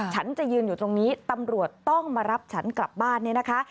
ฉันจะยืนอยู่ตรงนี้ตำรวจต้องมารับฉันกลับบ้านเนี่ยนะคะ